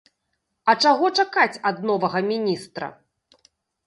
А чаго чакаць ад новага міністра?